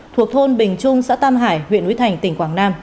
thuộc thôn bình trung xã tam hải huyện núi thành tỉnh quảng nam